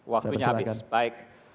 waktunya habis baik